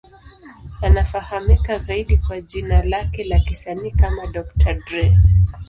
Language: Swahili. Anafahamika zaidi kwa jina lake la kisanii kama Dr. Dre.